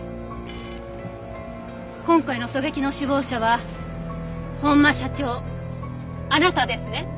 今回の狙撃の首謀者は本間社長あなたですね？